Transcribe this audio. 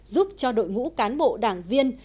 giúp cho đội ngũ cán bộ đảng viên